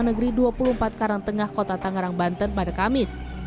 negeri dua puluh empat karangtengah kota tangerang banten pada kamis